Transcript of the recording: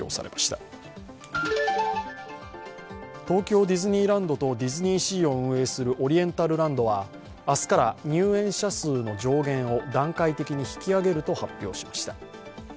東京ディズニーランドとディズニーシーを運営するオリエンタルランドは明日から入園者数の上限を段階的に引き上げると発表しました。